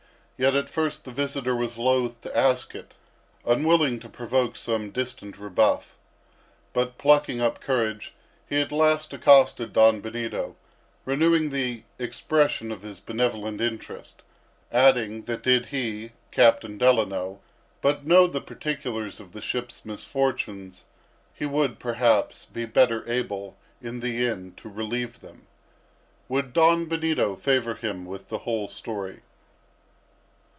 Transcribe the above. Yet at first the visitor was loth to ask it, unwilling to provoke some distant rebuff. But plucking up courage, he at last accosted Don Benito, renewing the expression of his benevolent interest, adding, that did he (Captain Delano) but know the particulars of the ship's misfortunes, he would, perhaps, be better able in the end to relieve them. Would Don Benito favor him with the whole story.